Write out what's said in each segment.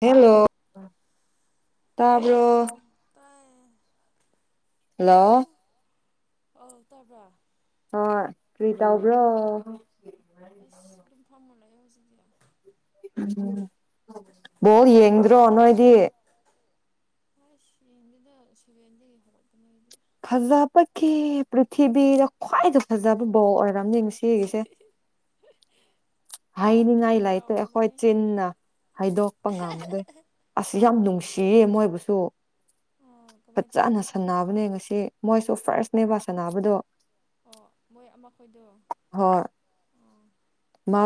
hello ꯇꯕꯔꯣ ꯇꯥꯏ ꯑꯣ ꯍꯜꯂꯣ ꯑꯥꯎ ꯇꯥꯕ꯭ꯔ [unintelligible] ꯇꯧꯕ꯭ꯔꯣ ꯑꯁ ꯗꯨꯝ ꯐꯥꯝꯂ [unintelligible] ꯎ ꯕꯣꯂ ꯌꯦꯡꯗ꯭ꯔꯣ ꯅꯣꯏꯗꯤ ꯑꯩꯁ ꯌꯦꯡꯗꯦꯗ ꯁꯦꯔꯦꯟꯗꯒꯤ ꯍꯧꯔꯛꯄꯅꯦ ꯑꯩ ꯗꯤ ꯐꯖꯕꯒꯤ ꯄ꯭ꯔꯤꯊꯤꯕꯤꯗ ꯈ꯭ꯋꯥꯏꯗ ꯐꯖꯕ ꯕꯣꯂ ꯑꯣꯏꯔꯝꯅꯤꯥ ꯉꯁꯤ [unintelligible] ꯒꯤꯁꯦ ꯍꯩꯅꯤꯡꯉꯥꯏ ꯂꯩꯇ ꯑꯩꯈꯣꯏ ꯆꯤꯟꯅ ꯍꯥꯏꯗꯣꯛꯄ ꯉꯝꯗꯦ ꯑꯁ ꯌꯥꯝ ꯅꯨꯡꯁꯤꯌꯦ ꯃꯣꯏꯕꯨꯁꯨ ꯐꯖꯅ ꯁꯅꯕꯅꯦ ꯉꯁꯤ ꯃꯣꯏꯁꯨ ꯐꯥꯔꯁꯅꯦꯕ ꯁꯥꯟꯅꯕꯗꯣ ꯑꯣ ꯃꯣꯏ ꯑꯃꯈꯣꯏꯗꯣ ꯍꯣꯏ ꯃꯥ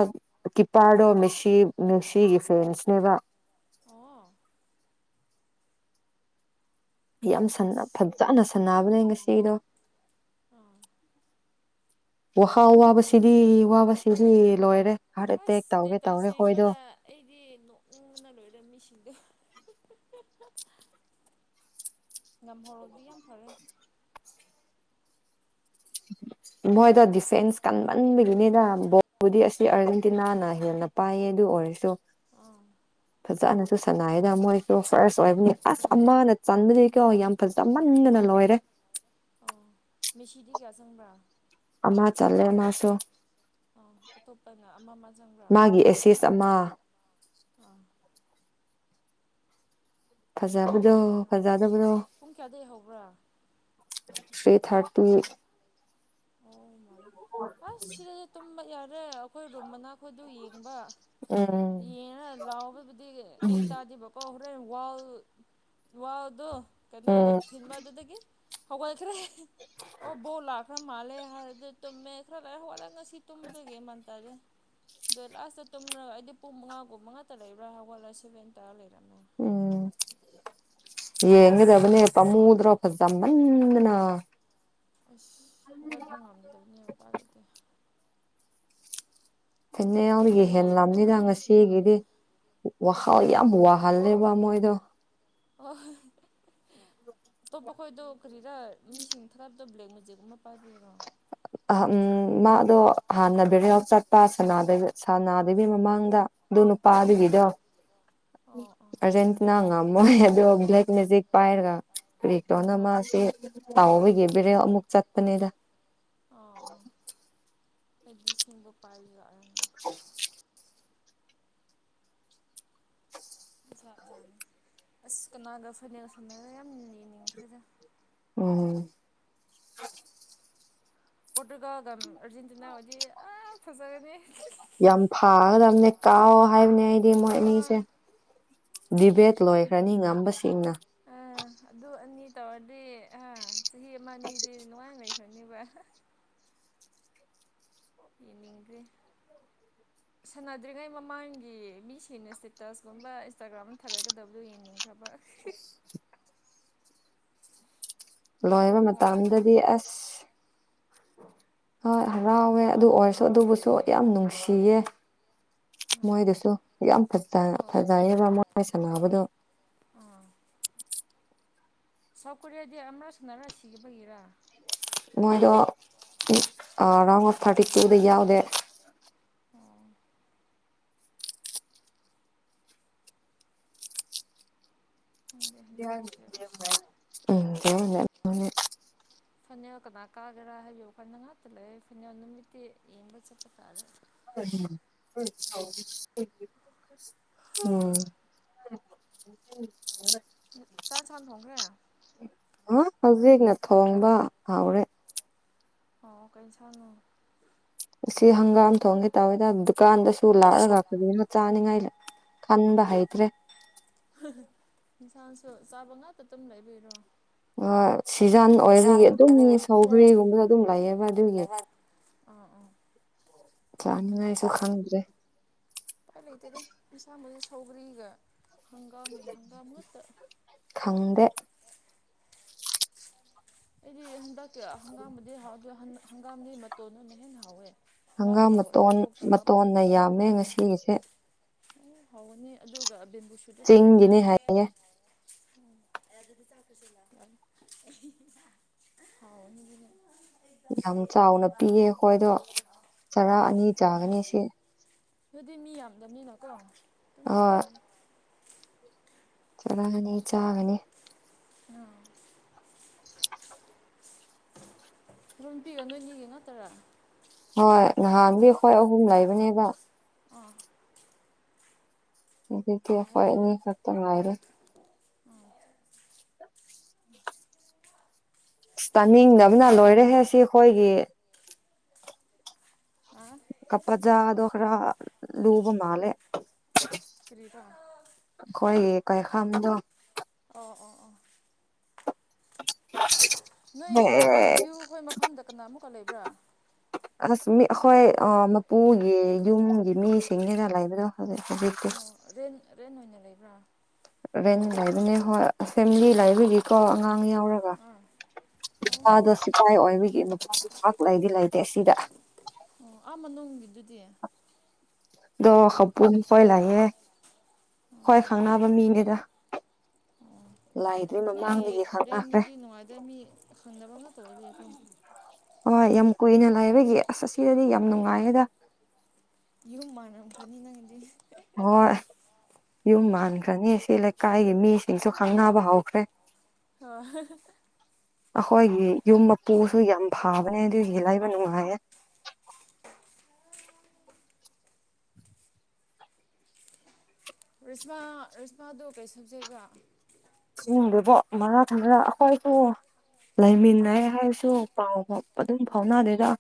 ꯀꯤꯞꯄꯥꯔꯗꯣ ꯃꯦꯁꯤ ꯃꯦꯁꯤꯒꯤ ꯐꯦꯟꯁꯅꯦꯕ ꯑꯣ ꯌꯥꯝ ꯐꯖꯅ ꯁꯟꯅꯕꯅꯦ ꯉꯁꯤꯗꯣ ꯑꯥ ꯋꯥꯍꯥ ꯋꯥꯕꯁꯤꯗꯤ ꯋꯥꯕꯁꯤꯗꯤ ꯂꯣꯏꯔꯦ ꯍꯥꯔꯠ ꯑꯁ ꯑꯦꯇꯦꯛ ꯇꯧꯒꯦ ꯁ꯭ꯇꯦꯇꯁ ꯇꯧꯔꯦ ꯍꯣꯏꯗꯣ ꯌꯦꯡꯕꯗ ꯑꯩꯗꯤ ꯅꯣꯛꯅꯤꯡꯕꯅ ꯂꯣꯏꯔ ꯃꯤꯁꯤꯡꯗꯣ ꯉꯝꯍꯧꯔꯗꯤ ꯌꯥꯝ ꯐꯔꯦ ꯃꯣꯏꯗꯣ ꯗꯤꯐꯦꯟꯁ ꯀꯥꯟ ꯄꯟꯕꯒꯤꯅꯤꯗ ꯕꯣꯜꯗꯤ ꯑꯁꯤ ꯑꯥꯔꯖꯦꯟꯇꯤꯅꯥꯅ ꯍꯦꯟꯅ ꯄꯥꯏꯌꯦ ꯑꯗꯨ ꯑꯣꯏꯔꯁꯨ ꯑꯥ ꯐꯖꯅꯁꯨ ꯁꯥꯟꯅꯌꯦꯗ ꯃꯣꯏꯁꯨ ꯐꯥꯔꯁ ꯑꯣꯏꯕꯅꯤ ꯑꯁ ꯑꯃꯅ ꯆꯟꯕꯅꯤ [unintelligible] ꯀꯣ ꯌꯥꯝ ꯐꯖꯃꯟꯗꯅ ꯂꯣꯏꯔꯦ ꯑ ꯃꯦꯁꯤꯗꯤ ꯀꯌꯥ ꯆꯪꯕ꯭ꯔꯥ ꯑꯃ ꯆꯜꯂꯦ ꯃꯥꯁꯨ ꯑ ꯑꯇꯣꯞꯄꯅ ꯑꯃ ꯑꯃ ꯆꯪꯕ꯭ꯔꯥ [unintelligible] ꯇꯤꯁ ꯑꯃ ꯑꯥ [unintelligible] ꯐꯖꯕꯗꯣ ꯐꯖꯗꯕꯗꯣ [unintelligible] [unintelligible] ꯊꯔꯤ ꯊꯔ ꯇꯨ ꯑꯁ ꯁꯤꯗꯗꯤ ꯇꯨꯝꯕ ꯌꯥꯔꯦ ꯑꯩꯈꯣꯏ ꯔꯨꯝ ꯃꯅꯥꯈꯣꯏꯗꯨ ꯌꯦꯡꯕ ꯎꯝ ꯌꯦꯡꯔ ꯂꯥꯎꯕꯕꯨꯗꯤ ꯑꯩ ꯎꯝ ꯇꯥꯗꯦꯕ ꯀꯣ ꯍꯣꯔꯦꯟ ꯋꯥꯜ ꯋꯥꯜꯗꯣ ꯀꯩꯅꯣ ꯎꯝ ꯊꯤꯟꯕ ꯑꯗꯨꯗꯒꯤ ꯍꯧꯒꯠꯈ꯭ꯔꯦ ꯑꯣ ꯕꯣꯜ ꯂꯥꯛꯈ꯭ꯔ ꯃꯥꯜꯂꯦ ꯍꯥꯏꯔꯗꯤ ꯇꯨꯝꯃꯦ ꯈꯔ ꯂꯥꯛꯑꯦ ꯍꯧꯒꯠꯂꯦ ꯉꯁꯤ [unintelligible] ꯁꯤ ꯇꯨꯝꯕꯗꯒꯤ ꯃꯥꯟ ꯇꯥꯗꯦ ꯑꯗꯣ ꯂꯥꯁꯇ ꯇꯨꯝꯔꯒ ꯑꯩꯗꯤ ꯄꯨꯡ ꯃꯉꯥꯒꯨꯝ ꯃꯉꯥꯇ ꯂꯩꯕꯔꯥ ꯍꯧꯒꯠꯂ ꯁꯚꯦꯟ ꯇꯥꯔ ꯂꯩꯔꯝꯃꯦ ꯎꯝ ꯌꯦꯡꯒꯗꯕꯅꯦ ꯄꯥꯝꯃꯨꯗꯔꯣ ꯐꯖ ꯃꯟꯗꯅ ꯑꯁ ꯍꯧꯒꯠꯄ ꯉꯝꯗꯕꯅꯦ ꯃꯄꯥ ꯂꯩꯇꯦ ꯐꯩꯅꯦꯜ [unintelligible] ꯌꯦꯍꯦꯟꯂꯝꯅꯤꯗ ꯉꯁꯤꯒꯤꯗꯤ ꯋꯥꯍꯥꯎ ꯌꯥꯝ ꯋꯥꯍꯜꯂꯦꯕ ꯃꯣꯏꯗꯣ ꯑꯣ [unintelligible] [inaudible] ꯑꯇꯣꯞꯄ ꯑꯩꯈꯣꯏꯗꯣ ꯀꯔꯤꯔꯥ ꯃꯤꯁꯤꯡ ꯊꯥꯕꯗꯣ ꯕ꯭ꯂꯦꯛ ꯃꯦꯖꯤꯛ ꯑꯃ ꯄꯥꯏꯕꯤꯔꯣ [unintelligible] [inaudible] [inaudible] [unintelligible] ꯎ ꯃꯥꯗꯣ ꯍꯥꯟꯅ ꯕꯦꯔꯦꯜ ꯆꯠꯄ ꯁꯅꯥꯗꯦꯕꯤ ꯁꯅꯥꯗꯦꯕꯤ ꯃꯃꯥꯡꯗ ꯑꯗꯨ ꯅꯨꯞ [unintelligible] ꯄꯥꯗꯕꯤꯗꯣ ꯑꯔꯖꯦꯟꯇꯤꯅꯥ ꯉꯝꯃꯣꯏ ꯑꯗꯣ ꯕ꯭ꯂꯦꯛ ꯃꯦꯖꯤꯛ ꯄꯥꯏꯔꯒ ꯀꯔꯤꯛꯇꯧꯅ ꯃꯥꯁꯤ [unintelligible] ꯇꯥꯎꯍꯕꯒꯤ ꯕꯦꯔꯦꯜ ꯑꯃꯨꯛ ꯆꯠꯄꯅꯦꯗ ꯑꯣ ꯑꯣ [unintelligible] ꯍꯥꯏꯗꯤ ꯁꯤꯡꯕ ꯄꯥꯏꯔꯤ ꯌꯥꯔ [unintelligible] [unintelligible] [inaudible] ꯥ [unintelligible] ꯖꯥꯅꯤ ꯑꯁ ꯀꯅꯥꯒ ꯐꯅꯦꯜ ꯁꯅꯔ [unintelligible] ꯌꯥꯝ ꯌꯦꯡꯅꯤꯡꯈꯔꯦꯗ ꯎꯝ ꯄꯣꯔꯇꯨꯒꯜꯒ [unintelligible] ꯑꯔꯖꯦꯟꯇꯤꯅꯥ [unintelligible] ꯍꯣꯏꯗꯤ ꯐꯖꯒꯅꯦ [unintelligible] ꯌꯥꯝ ꯐꯥꯒꯗꯕꯅꯦ ꯀꯥꯎ ꯍꯥꯏꯕꯅꯦ ꯑꯩꯗꯤ ꯃꯣꯏ ꯑꯅꯤꯁꯦ ꯗꯤꯕꯦꯠ ꯂꯣꯏꯈ꯭ꯔꯅꯤ ꯉꯝꯕꯁꯤꯡꯅ [unintelligible] ꯑꯥ ꯑꯗꯨ ꯑꯅꯤ ꯇꯧꯔꯗꯤ ꯑ ꯆꯍꯤ ꯑꯃ ꯑꯅꯤꯗꯤ ꯅꯨꯡꯉꯥꯏꯅꯩ [unintelligible] ꯈꯔꯅꯤꯕ [unintelligible] ꯌꯦꯟꯅꯤꯡꯒꯔꯦ [inaudible] [unintelligible] ꯁꯥꯟꯅꯗꯔꯤꯉꯩ ꯃꯃꯥꯡꯒꯤ ꯃꯤꯁꯤꯡꯅ ꯏꯁꯇꯦꯇꯁꯀꯨꯝꯕ ꯏꯟꯁꯇꯥꯒ꯭ꯔꯥꯝꯗ ꯊꯥꯒꯠꯀꯗꯕꯗꯨ ꯌꯦꯡꯅꯤꯡꯈ꯭ꯔꯕ ꯂꯣꯏꯕ ꯃꯇꯝꯗꯗꯤ ꯑꯁ ꯍꯣꯏ ꯍꯔꯥꯎꯋꯦ ꯑꯗꯨ ꯑꯣꯏꯔꯁꯨ ꯑꯗꯨꯕꯨꯁꯨ ꯌꯥꯝ ꯅꯨꯡꯁꯤꯌꯦ ꯃꯣꯏꯗꯨꯁꯨ ꯌꯥꯝ ꯐꯠꯇ [unintelligible] ꯐꯖꯩꯌꯦꯕ ꯃꯣꯏ ꯁꯥꯟꯅꯕꯗꯣ ꯑꯥ [unintelligible] ꯁꯥꯎꯠ ꯀꯣꯔꯤꯌꯥꯗꯤ ꯑꯃꯔ ꯁꯥꯅꯔ ꯁꯤꯈꯤꯕꯒꯤꯔꯥ ꯃꯣꯏꯗꯣ ꯑ ꯔꯥꯎ ꯑꯣꯐ ꯊꯥꯔꯇꯤ ꯇꯨꯗ ꯌꯥꯎꯗꯦ ꯑꯣ [unintelligible] [unintelligible] ꯎꯝꯅꯦꯅꯦ [unintelligible] ꯐꯅꯦꯜ ꯀꯅꯥ ꯀꯥꯒꯦꯔꯥ ꯍꯥꯏꯌꯣ [unintelligible] ꯉꯥꯛꯇ ꯂꯩꯌꯦ ꯐꯅꯦꯜ ꯅꯨꯃꯤꯠꯇꯤ ꯌꯦꯡꯕ ꯆꯠꯄ ꯇꯥꯔꯦ [unintelligible] ꯎꯝ [unintelligible] ꯆꯥꯛ ꯁꯟ ꯊꯣꯡꯈ꯭ꯔꯦ ꯑ ꯍꯧꯖꯤꯛꯅ ꯊꯣꯡꯕ ꯍꯥꯎꯔꯦ ꯑꯣ ꯀꯩ ꯁꯅꯣ ꯑꯁꯤ ꯍꯪꯒꯥꯝ ꯊꯣꯛꯣꯡꯉꯦ ꯇꯧꯋꯦꯗ ꯗꯨꯀꯥꯟꯗꯁꯨ ꯗꯁꯨ ꯂꯥꯛꯑꯒ ꯀꯅ ꯇꯥꯅꯤꯡꯉꯥꯏꯂ ꯈꯟꯕ ꯍꯥꯏꯩꯗ꯭ꯔꯦ ꯏꯟꯁꯥꯡꯁꯨ ꯆꯥꯕ ꯉꯥꯛꯇ ꯑꯗꯨꯝ ꯂꯩꯕꯤꯔꯣ ꯁꯤꯖꯟ ꯑꯣꯏꯕꯒꯤ ꯑꯗꯨꯝ ꯑꯗꯨꯒꯤ ꯁꯧꯒ꯭ꯔꯔꯤꯒꯨꯝꯕꯗ ꯑꯗꯨꯝ ꯂꯩꯌꯦꯕ ꯑꯗꯨꯒꯤ ꯑ ꯑ ꯆꯥꯅꯤꯡꯉꯥꯏꯁꯨ ꯈꯪꯗ꯭ꯔꯦ ꯏꯄꯥꯏ ꯂꯩꯇꯦꯗ ꯏꯁꯥꯃꯛꯗꯤ ꯁꯒ꯭ꯔꯤꯒ ꯍꯪꯒꯥꯝꯒꯤ ꯍꯪꯒꯥꯝ ꯉꯛꯇ ꯈꯪꯗꯦ ꯑꯩꯗꯤ ꯍꯟꯗꯛꯀꯤ ꯍꯪꯒꯥꯝꯕꯨꯗꯤ ꯍꯥꯎꯗ ꯍꯪꯒꯥꯝꯗꯤꯩ ꯃꯇꯣꯟꯗꯨꯅ ꯍꯦꯟꯅ ꯍꯥꯎꯋꯦ ꯑꯉꯥꯡ ꯃꯇꯣꯟ ꯃꯇꯣꯟꯅ ꯌꯥꯝꯃꯦ ꯉꯁꯤꯒꯤꯁꯦ ꯑꯣ ꯍꯥꯎꯒꯅꯤ ꯑꯗꯨꯒ ꯕꯦꯝꯕꯨꯁꯨꯗ ꯀꯔ ꯍꯥꯄ ꯆꯤꯡꯒꯤꯅꯤ ꯍꯥꯏꯌꯦ ꯎꯝ ꯑꯗꯨ ꯑꯗꯨꯗꯤ ꯆꯥꯛꯇꯁꯂ ꯍꯥꯎ ꯍꯒꯤꯅꯦ ꯌꯥꯝ ꯆꯥꯎꯅ ꯄꯤꯌꯦ ꯑꯩꯈꯣꯏꯗꯣ ꯆꯔꯥ ꯑꯅꯤ ꯆꯥꯒꯅꯤ ꯁꯤ ꯂ ꯑꯗꯨꯗꯤ ꯃꯤ ꯌꯥꯝꯗꯕꯅꯤꯅꯀꯣ ꯑꯗꯨꯝ ꯍꯣꯏ ꯍꯥꯎꯅꯤ ꯆꯠꯂꯒꯅꯤ ꯆꯥꯒꯅꯤ ꯑ ꯨꯝ ꯄꯤꯒ ꯅꯣꯏꯅꯤꯒꯦ ꯅꯠꯇꯔꯥ ꯍꯣꯏ ꯅꯍꯥꯟꯗꯤ ꯑꯩꯈꯣꯏ ꯑꯍꯨꯝ ꯂꯩꯕꯅꯦꯕ ꯑꯥ ꯑꯩꯈꯣꯏꯅꯤ ꯈꯠꯇ ꯍꯥꯏꯔ [unintelligible] ꯇꯥꯅꯤꯡꯗꯕꯅ ꯂꯣꯏꯔꯦꯍꯦ ꯁꯤ ꯑꯩꯈꯣꯏꯒꯤ ꯀꯄꯥꯖꯥꯗ ꯑꯣꯈꯔꯥ ꯂꯨꯕ ꯃꯥꯂꯦ ꯀ꯭ꯔꯤꯗ ꯑꯩꯈꯣꯏ ꯀꯩꯈꯥꯗꯣ ꯑꯣ ꯑꯣ ꯑꯣ ꯃꯥꯦ ꯅꯣꯏ ꯗ꯭ꯌꯨ ꯍꯣꯏ ꯃꯐꯝꯗ ꯀꯅꯥ ꯑꯃꯨꯛꯀ ꯂꯩꯕ꯭ꯔꯥ ꯑꯁ ꯃꯤ ꯑꯩꯈꯣꯏ ꯃꯄꯨꯒꯤ ꯌꯨꯝꯒꯤ ꯃꯤꯁꯤꯡꯅ ꯂꯩꯕꯗꯣꯖꯤ ꯍꯧꯖꯤꯛꯇꯤ ꯑꯣ ꯔꯦꯟ ꯔꯦꯟ ꯑꯣꯏꯅ ꯂꯩꯕ꯭ꯔꯥ ꯔꯕꯦꯟ ꯂꯕꯅꯦ ꯍꯣꯏ ꯐꯦꯃꯤꯂꯤ ꯂꯕꯒꯤꯀꯣ ꯑꯉꯥꯡ ꯌꯥꯎꯔ ꯅꯨꯄꯥꯗꯣ ꯁꯤꯄꯥꯏ ꯑꯣꯏ ꯃꯤꯒꯤ ꯅꯨꯄꯥ ꯄꯥꯛ ꯂꯩꯗꯤ ꯂꯩꯇꯦ ꯁꯤꯗ ꯑꯣ ꯑꯃ ꯅꯨꯡꯒꯤꯗꯨꯗꯤ ꯑꯗꯣ ꯍꯥꯄꯨꯝ ꯈꯣꯏ ꯂꯥꯛꯑꯦ ꯍꯣꯏ ꯈꯪꯅꯕ ꯃꯤꯅꯦꯗ ꯂꯥꯏ ꯅꯣꯏꯒꯤ ꯔꯦꯟꯗꯨꯗꯤ ꯅꯨꯡꯉꯥꯏꯗꯣꯏ ꯃꯤ ꯈꯪꯗꯕ ꯑꯃꯇ ꯑꯣꯏꯔꯀꯣ ꯍꯣꯏ ꯌꯥꯝ ꯀꯨꯏꯅ ꯂꯥꯛꯑꯕꯒꯤ ꯑꯁ ꯑꯁꯤꯗꯗꯤ ꯌꯥꯝ ꯅꯨꯡꯉꯥꯏꯌꯦꯗ ꯌꯨꯝ ꯃꯥꯟꯅꯔ ꯐꯅꯤ ꯅꯪꯗꯤ ꯍꯣꯏ ꯌꯨꯝ ꯃꯥꯟꯈ꯭ꯔꯅꯤ ꯁꯤ ꯂꯩꯀꯥꯏꯒꯤ ꯃꯤꯁꯤꯡꯁꯨ ꯈꯪꯅꯕ ꯍꯧꯈ꯭ꯔꯦ ꯍ ꯑꯩꯈꯣꯏꯒꯤ ꯌꯨꯝ ꯃꯄꯨꯁꯨ ꯌꯥꯝ ꯐꯕꯅꯦ ꯑꯗꯨꯒꯤ ꯂꯩꯕ ꯅꯨꯡꯉꯥꯏꯌꯦ ꯔꯤꯁꯃꯥ ꯔꯤꯁꯃꯥꯗꯨꯣ ꯀꯩ ꯁꯞꯖꯦꯛꯕ ꯆꯤꯡꯗꯕꯣ ꯃꯔꯥ ꯈꯟꯗꯅ ꯑꯩꯈꯣꯏꯕꯨ ꯂꯩꯃꯤꯟꯅꯩ ꯍꯥꯏꯔꯁꯨ ꯄꯥꯎ ꯐꯥꯎ ꯑꯗꯨꯝ ꯐꯥꯎꯅꯗꯒ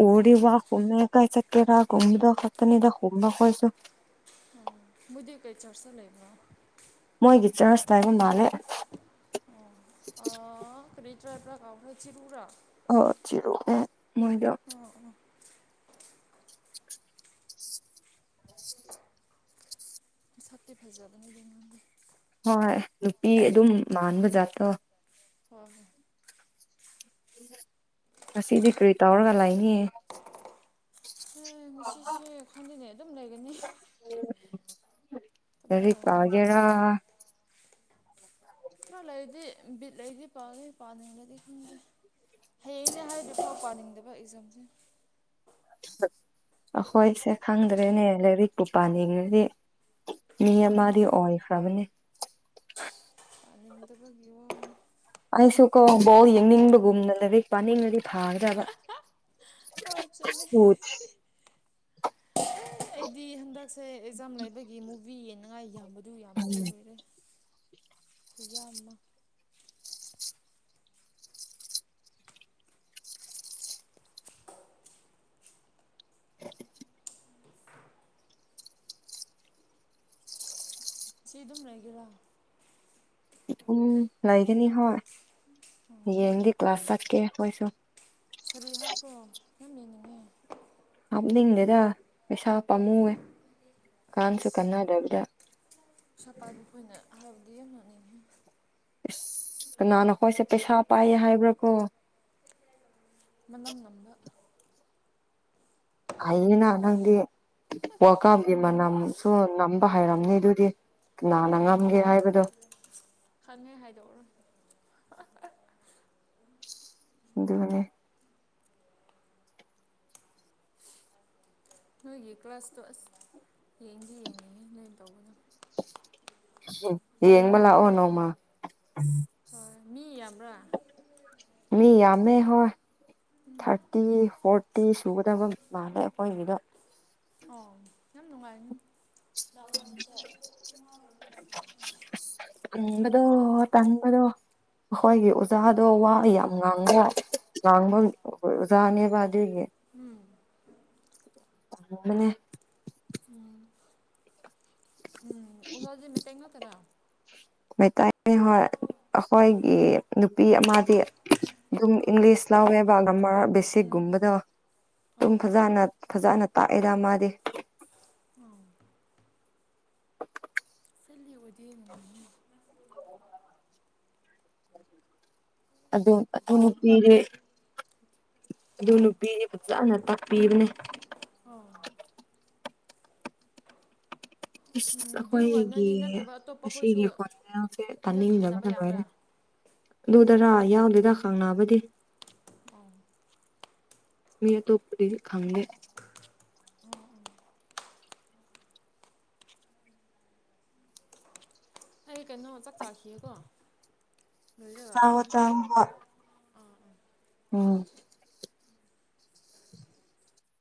ꯑꯣꯔꯤ ꯋꯥ ꯍꯨꯝꯃꯦꯌꯥ ꯀꯥꯏꯁ ꯀꯦꯔꯒ ꯈꯨꯨꯝꯗ ꯍꯠꯇꯅꯤꯗ ꯍꯣꯃ ꯀꯣꯏꯁꯨꯣ ꯃꯕꯨꯗꯤꯑꯣ ꯀꯩ ꯆꯔ ꯆ ꯂꯩꯕ꯭ꯔꯣ ꯃꯣꯏꯒꯤ ꯆꯔꯁꯇ ꯍꯥꯏꯕ ꯃꯥꯜꯂꯦ ꯑ ꯀꯔꯤ ꯇ꯭ꯔꯥꯄ꯭ꯔꯥ ꯀꯥꯎ ꯍꯥꯏ ꯆꯔ ꯄꯨꯥ ꯑꯣ ꯆꯔꯣ ꯃꯣꯏꯗ ꯑꯣ ꯑꯣ ꯁꯞ꯭ꯤꯐꯥꯏꯖ ꯑꯗꯨꯅ ꯂꯩꯉꯥꯡꯒꯤ ꯍꯣꯏ ꯅꯨꯄꯤ ꯑꯗꯨꯝ ꯃꯥꯟꯕ ꯖꯥꯠꯇ꯭ꯔꯣ ꯍꯣꯏ ꯍꯣꯏ ꯉꯁꯤꯗꯤ ꯀꯔꯤ ꯇꯧꯔꯒ ꯂꯥꯛꯅꯤꯌꯦ ꯉꯁꯤꯁꯦ ꯈꯟꯗꯅꯦ ꯑꯗꯨꯝ ꯂꯩꯒꯅꯤ ꯁ ꯀꯒꯦꯔ ꯈꯔ ꯂꯩꯗꯤ ꯕꯤꯠ ꯂꯩꯗꯤ ꯄꯥꯉꯦ ꯄꯥꯗ ꯂꯩꯗꯤ ꯈꯪꯉꯦ ꯍꯌꯦꯡꯅꯦ ꯍꯥꯏꯗꯤꯀꯥꯎ ꯄꯥꯅꯤꯡꯗꯕ ꯑꯦꯛꯖꯥꯝꯁꯦ ꯑꯩꯈꯣꯏꯁꯦ ꯈꯪꯗ꯭ꯔꯦꯅꯦ ꯂꯥꯏꯔꯤꯛꯄ ꯄꯥꯅꯤꯡꯉꯗꯤ ꯃꯤ ꯃꯥꯗꯤ ꯑꯣꯏꯏ ꯐ꯭ꯔꯕꯅꯦ ꯥꯅꯤꯡꯗꯕꯒꯤ ꯋꯥ ꯑꯩꯁꯨ ꯀꯣ ꯕꯥꯎ ꯌꯦꯡꯅꯤꯡꯕꯒꯨꯝꯅ ꯂꯥꯏꯔꯤꯛ ꯄꯥꯅꯤꯡꯉꯗꯤ ꯐꯥꯒ꯭ꯔꯕ ꯍꯣꯏ ꯆꯨꯝꯃꯦ ꯑꯩꯗꯤ ꯍꯟꯗꯛꯁꯦ ꯑꯦꯛꯖꯥꯝ ꯂꯩꯕꯒꯤ ꯃꯨꯚꯤ ꯌꯦꯡꯅꯤꯉꯥꯏ ꯌꯥꯝꯕꯗꯨ ꯌꯥꯝꯕꯗꯨ ꯂꯣꯏꯔꯦ ꯀꯌꯥꯑꯃ ꯁꯤ ꯑꯗꯨꯝ ꯂꯩꯒꯦꯔꯥ ꯑꯗꯨꯝ ꯂꯩꯒꯅꯤ ꯍꯣꯏ ꯌꯦꯡꯗꯤ ꯀ꯭ꯂꯥꯁ ꯆꯠꯀꯦ ꯃꯣꯏꯁꯨ ꯁꯥꯔꯤ ꯍꯥꯞꯄ꯭ꯔꯣ ꯅ ꯌꯦꯅꯤꯡꯉ ꯍꯥꯞꯅꯤꯡꯗꯦꯗ ꯄꯩꯁꯥ ꯄꯥꯝꯃꯨꯑꯦ ꯀꯥꯟꯁꯨ ꯀꯟꯅꯗꯕꯤꯗ ꯁꯐꯥꯏꯕ ꯐꯣꯏꯅ ꯍꯥꯏꯕꯗꯤ ꯌꯥꯝ ꯂꯅꯤꯡꯉꯤ ꯀꯅꯥꯅꯣꯈꯣꯏꯁꯦ ꯄꯩꯁꯥ ꯄꯥꯏꯌꯦ ꯍꯥꯏꯕ꯭ꯔꯥ ꯀꯣ ꯃꯅꯝ ꯅꯝꯕ ꯑꯩꯅ ꯅꯪꯗꯤ ꯋꯥꯀꯥꯞꯒꯤ ꯃꯅꯝ ꯁꯨ ꯅꯝꯕ ꯍꯥꯏꯔꯝꯅꯤ ꯑꯗꯨꯗꯤ ꯀꯅꯥꯅ ꯉꯝꯒꯦ ꯍꯥꯏꯕꯗꯣ ꯈꯪꯉꯦ ꯍꯥꯏꯗꯣꯛꯔꯣꯏ ꯑꯗꯨꯒꯅꯦ ꯅꯣꯏꯒꯤ ꯀ꯭ꯂꯥꯁꯇꯣ ꯑꯁ ꯌꯦꯡꯗꯤ ꯌꯦꯡꯅꯤꯡꯉ ꯅꯣꯏ ꯇꯧꯕꯗꯣ ꯌꯦꯡꯕ ꯂꯥꯛꯑꯣ ꯅꯣꯡꯃ ꯍꯣꯏ ꯃꯤ ꯌꯥꯝꯕ꯭ꯔꯥ ꯃꯤ ꯌꯥꯝꯃꯦ ꯍꯣꯏ ꯊꯥꯔꯇꯤ ꯐꯣꯔꯇꯤ ꯁꯨꯒꯗꯕ ꯃꯥꯜꯂꯦ ꯑꯩꯈꯣꯏꯒꯤꯗꯣ ꯑ ꯌꯥꯝ ꯅꯨꯡꯉꯥꯏꯅꯤ ꯑꯝꯕꯗꯣ ꯇꯝꯕꯗꯣ ꯑꯩꯈꯣꯏꯒꯤ ꯑꯣꯖꯥꯗꯣ ꯋꯥ ꯌꯥꯝ ꯉꯥꯡꯕꯌꯥꯗꯦ ꯂꯥꯡꯕ ꯑꯣꯖꯥꯅꯤꯕꯗꯨꯒꯦ ꯎꯝ ꯑꯕꯅꯦ ꯑꯣꯖꯥꯁꯦ ꯃꯩꯇꯩ ꯉꯥꯛꯇꯔ ꯃꯩꯇꯩꯅꯦ ꯍꯣꯏ ꯑꯩꯈꯣꯏꯒꯤ ꯅꯨꯄꯤ ꯑꯃꯗꯤ ꯑꯗꯨꯝ ꯏꯪꯂꯤꯁ ꯂꯥꯎꯋꯦꯕ ꯒꯔꯃꯔꯥ ꯕꯦꯁꯤꯛꯀꯨꯝꯕꯗꯣ ꯑꯗꯨꯝ ꯐꯖꯅ ꯐꯖꯅ ꯇꯥꯛꯑꯦꯗ ꯃꯥꯗꯤ ꯑꯣ [inaudible] ꯕꯨꯗꯤ ꯅꯨꯉꯥꯏ ꯑꯗꯨ ꯑꯗꯨ ꯅꯨꯄꯤꯔꯦ ꯑꯗꯨ ꯅꯨꯄꯤꯗꯤ ꯐꯖꯅ ꯇꯥꯛꯄꯤꯕꯅꯦ ꯑꯣ [unintelligible] ꯑꯩꯈꯣꯏꯒꯤ ꯑꯁꯤꯒꯤ ꯈꯣꯁꯦꯜꯁꯦ ꯇꯥꯅꯤꯡꯗꯕꯅ ꯂꯣꯏꯔꯦ ꯑꯗꯨꯗꯔꯥ ꯌꯥꯎꯗꯦꯗ ꯈꯪ ꯅꯥꯕꯗꯤ ꯑꯣ ꯃꯤ ꯑꯇꯣꯞꯄꯥꯗꯤ ꯈꯪꯗꯦ ꯎꯝ ꯎꯝ ꯑꯩ ꯀꯩꯅꯣ ꯆꯥꯛ ꯆꯥꯈꯤꯌꯦꯀꯣ ꯂꯣꯏꯔꯒ ꯑꯩ ꯍꯣꯔꯦꯟ ꯇꯧꯔꯛꯀꯦ ꯑꯥ ꯑꯥ ꯑꯣ